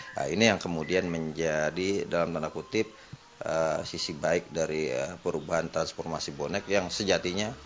nah ini yang kemudian menjadi dalam tanda kutip sisi baik dari perubahan transformasi bonek yang sejatinya